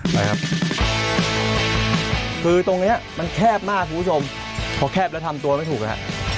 ไปครับคือตรงเนี้ยมันแคบมากคุณผู้ชมพอแคบแล้วทำตัวไม่ถูกแล้วฮะ